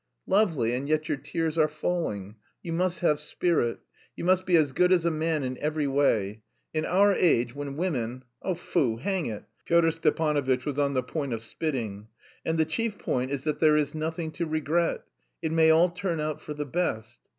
"Lovely, and yet your tears are falling. You must have spirit. You must be as good as a man in every way. In our age, when woman.... Foo, hang it," Pyotr Stepanovitch was on the point of spitting. "And the chief point is that there is nothing to regret. It may all turn out for the best.